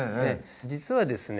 実はですね